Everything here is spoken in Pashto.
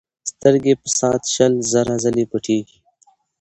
سترګې په ساعت شل زره ځلې پټېږي.